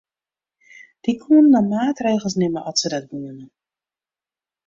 Dy koenen dan maatregels nimme at se dat woenen.